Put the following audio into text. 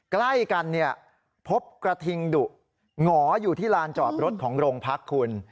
ใกล้กันเนี่ยพบกระทิงดุหงออยู่ที่ลานจอดรถของโรงพักคุณ